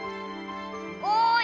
おい！